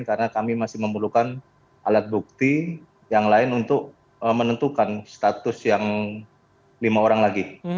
karena kami masih memerlukan alat bukti yang lain untuk menentukan status yang lima orang lagi